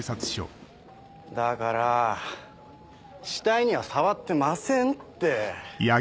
だから死体には触ってませんって。